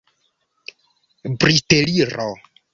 briteliro